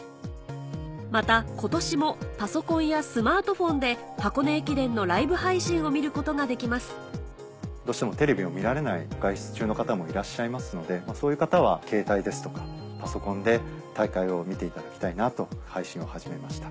また今年もパソコンやスマートフォンで箱根駅伝のライブ配信を見ることができますどうしてもテレビを見られない外出中の方もいらっしゃいますのでそういう方はケータイですとかパソコンで大会を見ていただきたいなと配信を始めました。